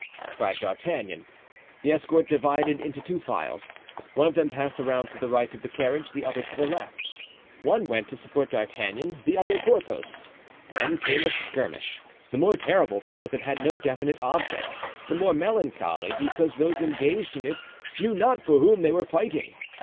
cried D'Artagnan. The escort divided into two files. One of them passed around to the right of the carriage, the other to the left. One went to support D'Artagnan, the other Porthos. Then came a skirmish, the more terrible because it had no definite object; the more melancholy, because those engaged in it knew not for whom they were fighting.